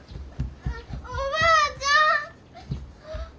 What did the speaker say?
おばあちゃん。